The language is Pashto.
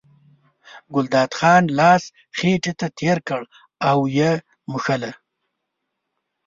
ګلداد خان لاس خېټې ته تېر کړ او یې مښله.